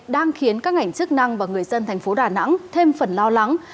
đang khiến các ngành chức năng và người dân thành phố đà nẵng thêm phần lo lắng